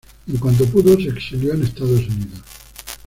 En cuanto pudo se exilió en Estados Unidos.